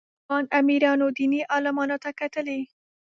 افغان امیرانو دیني عالمانو ته کتلي.